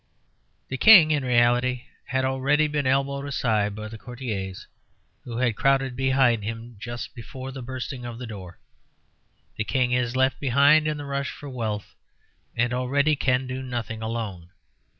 The King, in reality, had already been elbowed aside by the courtiers who had crowded behind him just before the bursting of the door. The King is left behind in the rush for wealth, and already can do nothing alone.